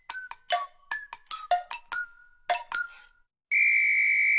ピッ！